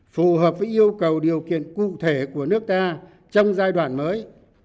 phù hợp với yêu cầu điều kiện cụ thể của nước ta trong giai đoạn mới